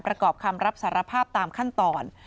ประกอบคำรับสารภาพตามขั้นตอน